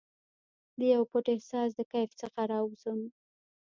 دیو پټ احساس د کیف څخه راوزم